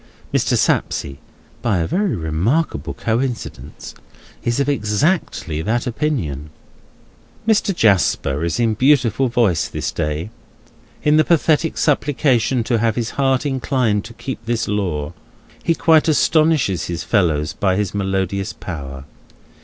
Mr. Sapsea (by a very remarkable coincidence) is of exactly that opinion. Mr. Jasper is in beautiful voice this day. In the pathetic supplication to have his heart inclined to keep this law, he quite astonishes his fellows by his melodious power.